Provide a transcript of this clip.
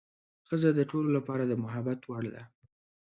ښځه د ټولو لپاره د محبت وړ ده.